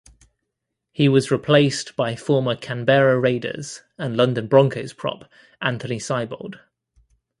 He was replaced by former Canberra Raiders and London Broncos prop Anthony Seibold.